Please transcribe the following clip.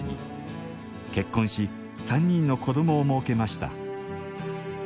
結婚し３人の子どもをもうけました